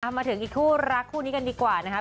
มาถึงอีกคู่รักคู่นี้กันดีกว่านะครับ